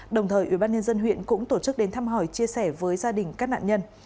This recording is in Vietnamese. đồng thời ubnd huyện cũng tổ chức đến thăm hỏi chia sẻ với gia đình các nạn nhân